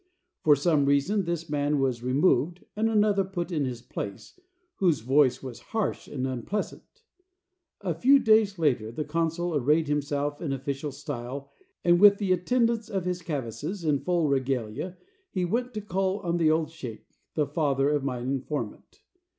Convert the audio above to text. For some reason this man was removed and another put in his place, whose voice was harsh and unpleasant. A few days later the consul arrayed himself in official style, and with the attendance of his cavasses in full regalia, he went to call on the old sheik, the father of my informant.